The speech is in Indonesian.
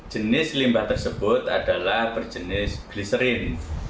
jenis limbah tersebut adalah berjenis gliserin